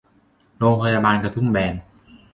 โรงพยาบาลกระทุ่มแบน